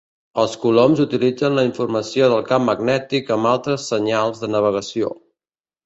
Els coloms utilitzen la informació del camp magnètic amb altres senyals de navegació.